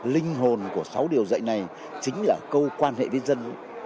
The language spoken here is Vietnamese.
linh hồn của sáu điều dạy này chính là câu quan hệ với dân